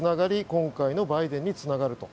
今回のバイデンにつながると。